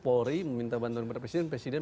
polri meminta bantuan kepada presiden presiden